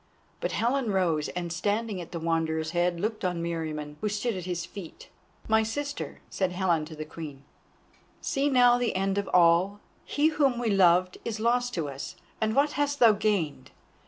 But Helen rose, and standing at the Wanderer's head looked on Meriamun, who stood at his feet. "My sister," said Helen to the Queen; "see now the end of all. He whom we loved is lost to us, and what hast thou gained?